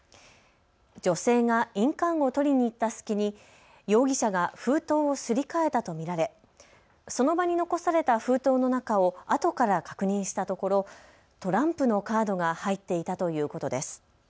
女性が印鑑を取りに行った隙に容疑者が封筒をすり替えたと見られ、その場に残された封筒の中を後から確認したところトランプのカードが入っていたということです。